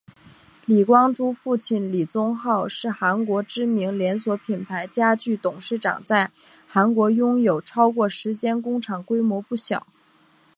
李光洙父亲李宗浩是韩国知名连锁品牌家具董事长在韩国拥有超过十间工厂规模不小。